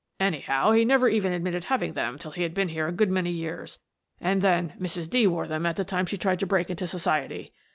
Anyhow, he never even admitted having them till he'd been here a good many years, and then Mrs. D. wore them at the time she tried to break into society.